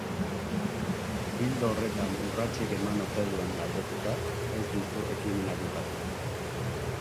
Ildo horretan urratsik eman ote duen galdetuta, ez ditu ekimenak ukatu.